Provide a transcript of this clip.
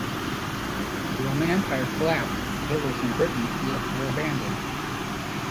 As the Roman Empire collapsed, villas in Britain were abandoned.